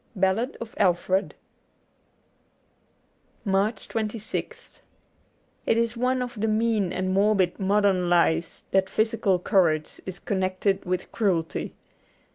' Ballad of Alfred: 91 MARCH 26th IT is one of the mean and morbid modern lies that physical courage is connected with cruelty.